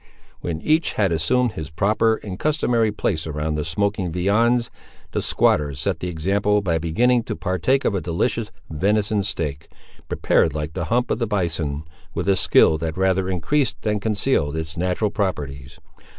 When each had assumed his proper and customary place around the smoking viands, the squatter set the example by beginning to partake of a delicious venison steak, prepared like the hump of the bison, with a skill that rather increased than concealed its natural properties.